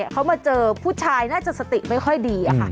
เขามาเจอผู้ชายน่าจะสติไม่ค่อยดี